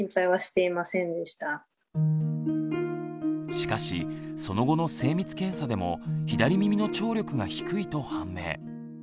しかしその後の精密検査でも左耳の聴力が低いと判明。